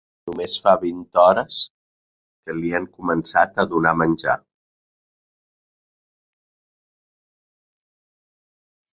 Només fa vint hores que li han començat a donar menjar.